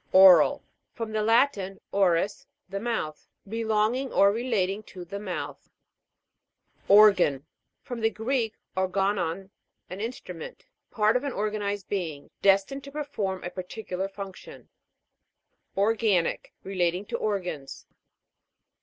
O'RAL. From the Latin, oris, the mouth. Relonging or relating to the mouth. OR'GAN. From the Greek, organon, an instrument. Part of an organ ized being, destined to perform a particular function. ORGA'NIC. Relating to organs.